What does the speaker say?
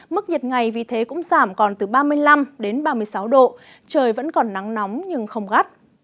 mức nhiệt ngày vì thế cũng giảm còn từ ba mươi năm đến ba mươi sáu độ trời vẫn còn nắng nóng nhưng không gắt